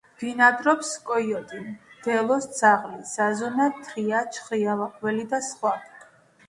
ბინადრობს კოიოტი, მდელოს ძაღლი, ზაზუნა, თრია, ჩხრიალა გველი და სხვა.